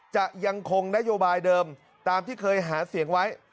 จะยังคงนโยบายเดิมตามที่เคยหาเสียงไว้